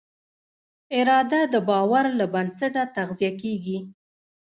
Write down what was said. اراده د باور له بنسټه تغذیه کېږي.